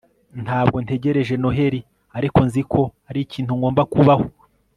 ntabwo ntegereje noheri, ariko nzi ko ari ikintu ngomba kubaho